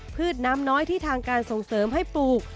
ืดน้ำน้อยที่ทางการส่งเสริมให้ปลูก